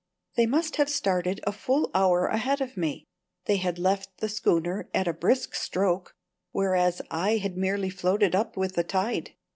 They must have started a full hour ahead of me; they had left the schooner at a brisk stroke, whereas I had merely floated up with the tide.